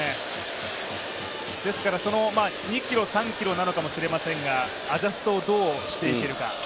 ですから、２キロ、３キロなのかもしれませんがアジャストをどうしていけるか。